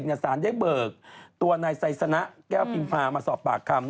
สารได้เบิกตัวนายไซสนะแก้วพิมพามาสอบปากคำ